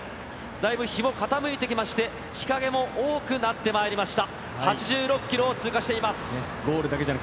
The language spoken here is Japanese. だいぶ日も傾いてきまして、日陰も多くなってまいりました。